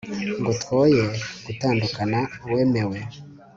ngo twoye gutandukana wemeye